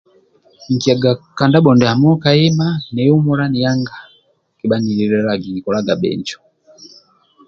Nkiyaga ka ndabho ndiamo nihumula nianga